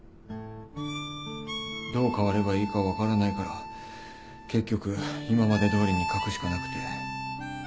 どう変わればいいか分からないから結局今までどおりに書くしかなくて。